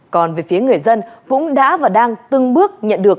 còn về phía người dân cũng đã và đang từng bước nhận được